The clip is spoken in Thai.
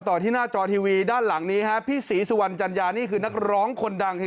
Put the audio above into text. ที่หน้าจอทีวีด้านหลังนี้ฮะพี่ศรีสุวรรณจัญญานี่คือนักร้องคนดัง